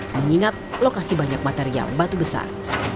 mengingat lokasi banyak material batu besar